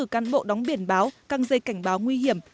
từ căn bộ đóng biển báo căng dây cảnh báo nguy hiểm